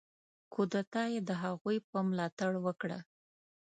کودتا یې د هغوی په ملاتړ وکړه.